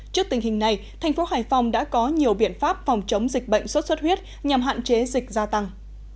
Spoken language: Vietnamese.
trước tình hình này thành phố hải phòng đã có nhiều biện pháp phòng chống dịch bệnh xuất xuất huyết nhằm hạn chế dịch gia tăng